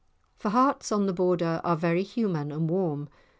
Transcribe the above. For hearts on the Border are very human and warm.